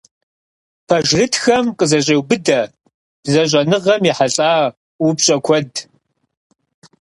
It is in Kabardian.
Пэжырытхэм къызэщӏеубыдэ бзэщӏэныгъэм ехьэлӏа упщӏэ куэд.